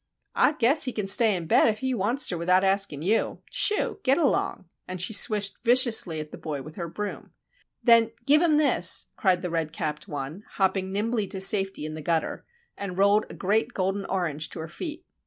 "Ah guess he can stay in bed if he wan'ster without askin' you! Shoo! get along!" and she swished viciously at the boy with her broom. "Then give him this," cried the red capped one, hopping nimbly to safety in the gutter; and rolled a great golden orange to her feet.